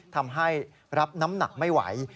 ทำให้รับน้ำหนักไม่ไหว